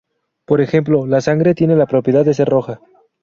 Por ejemplo, la sangre tiene la propiedad de ser roja.